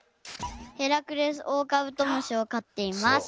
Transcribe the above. ヘラクレスオオカブトムシをかっています。